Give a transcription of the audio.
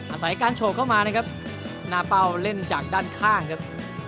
อาศัยการโฉกเข้ามานะครับหน้าเป้าเล่นจากด้านข้างครับ